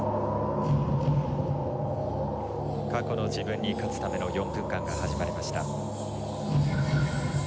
過去の自分に勝つための４分間が始まりました。